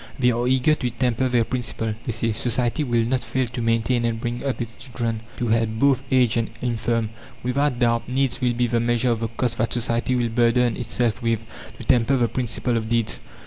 They are eager to temper their principle. They say: "Society will not fail to maintain and bring up its children; to help both aged and infirm. Without doubt needs will be the measure of the cost that society will burden itself with, to temper the principle of deeds."